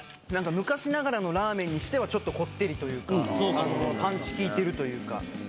昔ながらのラーメンにしてはちょっとこってりというかパンチ効いてるというか。